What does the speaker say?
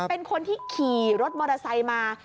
เป็นคนที่ขี่รถมอเตอร์ไซค์มา